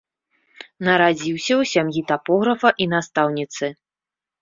Нарадзіўся ў сям'і тапографа і настаўніцы.